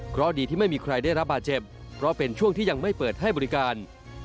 เพราะดีที่ไม่มีใครได้รับบาดเจ็บเพราะเป็นช่วงที่ยังไม่เปิดให้บริการ